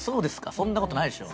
そんな事ないでしょ。